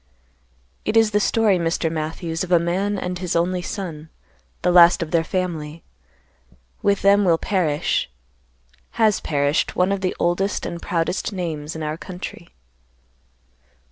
"It is the story, Mr. Matthews, of a man and his only son, the last of their family. With them will perish—has perished one of the oldest and proudest names in our country.